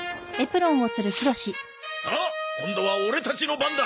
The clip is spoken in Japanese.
さあ今度はオレたちの番だ！